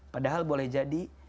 padahal boleh jadi